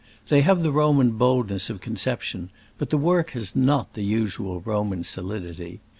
They have the Roman boldness of con ception, but the work has not the usual Roman solidity.